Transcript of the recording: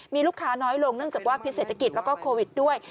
มีลูกค้าน้อยลงเนื่องจากว่าพิษเศรษฐกิจแล้วก็โควิดด้วย